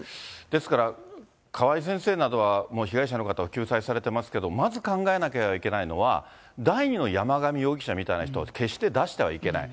ですから、川井先生などは、もう被害者の方を救済されてますけど、まず考えなければいけないのは、第２の山上容疑者みたいな人は決して出してはいけない。